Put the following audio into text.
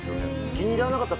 気に入らなかったら。